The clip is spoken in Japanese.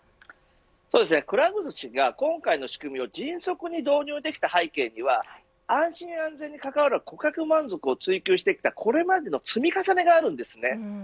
そうですね、くら寿司が今回の仕組みを迅速に導入できた背景には安心安全に関わる顧客満足を追求してきたこれまでの積み重ねがあるんですね。